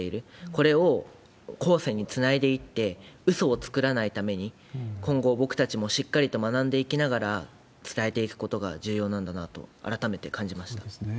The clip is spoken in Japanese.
これを後世につないでいって、うそを作らないために、今後、僕たちもしっかりと学んでいきながら、伝えていくことが重要なんそうですね。